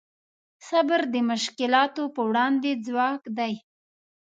صبر د مشکلاتو په وړاندې ځواک دی.